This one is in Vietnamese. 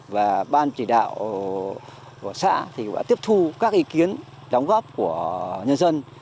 và ban chỉ đạo của xã cũng đã tiếp thu các ý kiến đóng góp của nhân dân